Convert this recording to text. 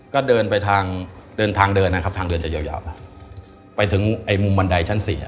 ก็เดินทางเดินนะครับทางเดินจะยาวไปถึงมุมบันไดชั้น๔